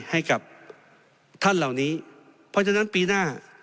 ให้กับท่านเหล่านี้เพราะฉะนั้นปีหน้า